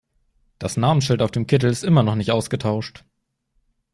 Das Namensschild auf dem Kittel ist immer noch nicht ausgetauscht.